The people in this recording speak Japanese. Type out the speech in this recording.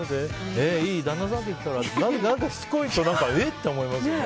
えー、いいよ旦那さんと行ったら？ってしつこいとえ？って思いますよね。